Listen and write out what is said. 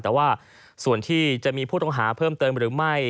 แต่ว่าส่วนที่จะมีผู้ต้องหาเพิ่มเติมหรือไม่